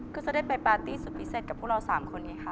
ก็จะได้ไปปาร์ตี้สุดพิเศษกับพวกเรา๓คนนี้ค่ะ